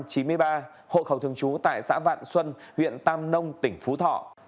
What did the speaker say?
hội khẩu thường trú tại xã vạn xuân huyện tam nông tỉnh phú thọ